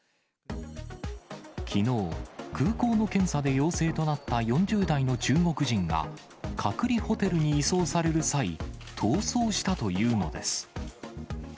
きのう、空港の検査で陽性となった４０代の中国人が、隔離ホテルに移送される際、逃走したというのです。